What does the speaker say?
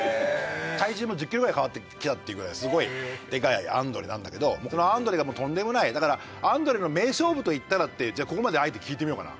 体重も１０キロぐらい変わってきたっていうぐらいすごいでかいアンドレなんだけどそのアンドレがもうとんでもないだからアンドレの名勝負といったらってじゃあここまであえて聞いてみようかな。